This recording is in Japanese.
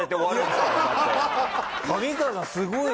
上川さんすごい。